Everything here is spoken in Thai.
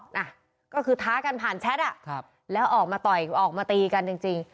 น่ะก็คือท้ากันผ่านแชทอ่ะครับแล้วออกมาต่อยออกมาตีกันจริงจริง